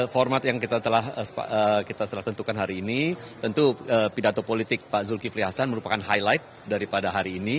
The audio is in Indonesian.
format yang kita telah tentukan hari ini tentu pidato politik pak zulkifli hasan merupakan highlight daripada hari ini